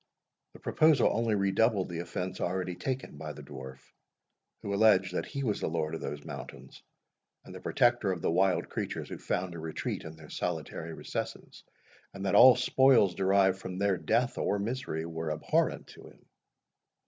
The proposal only redoubled the offence already taken by the dwarf, who alleged that he was the lord of those mountains, and the protector of the wild creatures who found a retreat in their solitary recesses; and that all spoils derived from their death, or misery, were abhorrent to him.